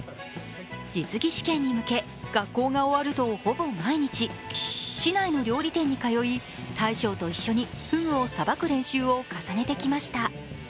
実技試験に向け、学校が終わるほぼ毎日市内の料理店に通い、大将と一緒にふぐをさばく練習を重ねてきました。